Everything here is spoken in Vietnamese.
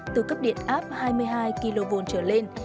từ cấp điện áp hai mươi hai kv trở lên